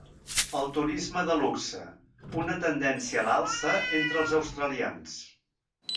El turisme de luxe, una tendència a l'alça entre els australians.